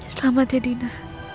selamat ya dina